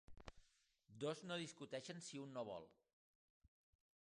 Dos no discuteixen si un no vol.